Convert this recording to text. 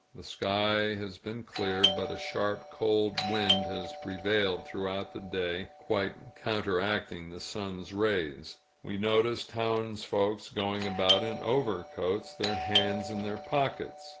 The sky has been clear, but a sharp, cold wind has prevailed throughout the day, quite counteracting the sun's rays; we noticed townsfolk going about in overcoats, their hands in their pockets.